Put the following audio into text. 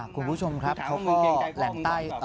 คุณผู้ชมครับเขาก็แหล่งใต้